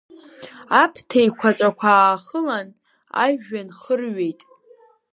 Аԥҭа еиқәаҵәақәа аахылан, ажәҩан хырҩеит.